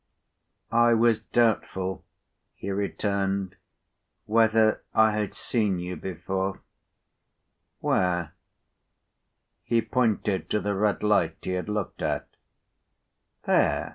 "I was doubtful," he returned, "whether I had seen you before." "Where?" He pointed to the red light he had looked at. "There?"